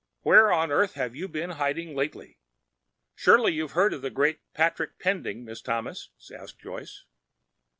Where on earth have you been hiding lately?" "Surely you've heard of the great Patrick Pending, Miss Thomas?" asked Joyce.